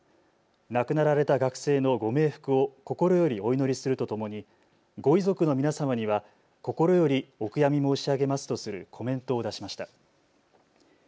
亡くなられた学生のご冥福を心よりお祈りするとともにご遺族の皆様には心よりお悔やみ申し上げますとするコメントを出しました。